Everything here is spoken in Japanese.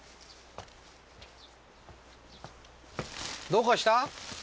どうかした？